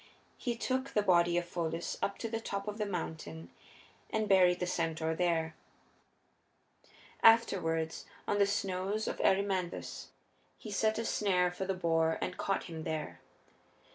He took the body of Pholus up to the top of the mountain and buried the centaur there. Afterward, on the snows of Erymanthus, he set a snare for the boar and caught him there.